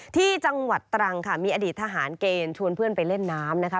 ที่จังหวัดตรังค่ะมีอดีตทหารเกณฑ์ชวนเพื่อนไปเล่นน้ำนะคะ